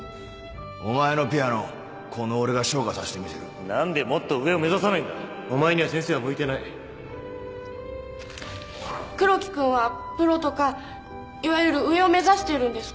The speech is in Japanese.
お前のピアノこの俺が昇華何でもっと上を目指さお前には先生は向いてない黒木君はプロとかいわゆる「上」を目指してるんですか？